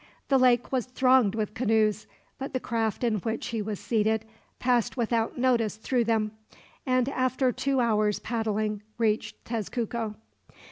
The lake was thronged with canoes, but the craft in which he was seated passed without notice through them, and after two hours' paddling reached Tezcuco.